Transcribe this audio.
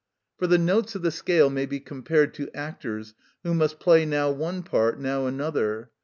For the notes of the scale may be compared to actors who must play now one part, now another.